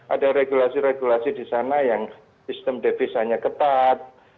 ada regulasi regulasi di sana yang sistem devisanya ketat